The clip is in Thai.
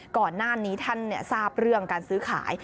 ก่อนหน้านี้ท่านทราบเรื่องการซื้อขาย